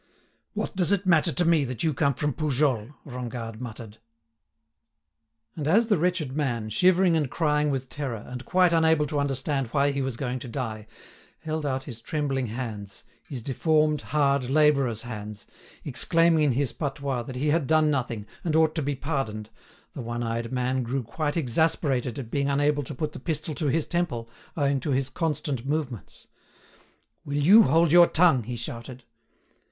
"What does it matter to me that you come from Poujols?" Rengade muttered. And as the wretched man, shivering and crying with terror, and quite unable to understand why he was going to die, held out his trembling hands—his deformed, hard, labourer's hands—exclaiming in his patois that he had done nothing and ought to be pardoned, the one eyed man grew quite exasperated at being unable to put the pistol to his temple, owing to his constant movements. "Will you hold your tongue?" he shouted.